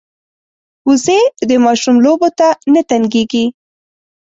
وزې د ماشوم لوبو ته نه تنګېږي